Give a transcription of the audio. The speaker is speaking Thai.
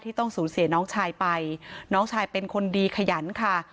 ต้องสูญเสียน้องชายไปน้องชายเป็นคนดีขยันค่ะ